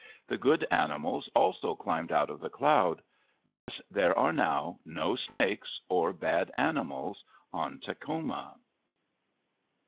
The good animals also climbed out of the cloud. Thus there are now no snakes or bad animals on Takhoma.